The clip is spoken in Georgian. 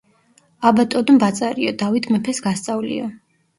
ა,ბატონო ბაწარიო, დავით მეფეს გასწავლიო.